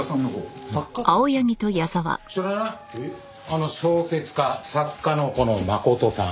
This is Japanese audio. あの小説家作家のこの真琴さん。